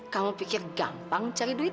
kamu pikir gampang cari duit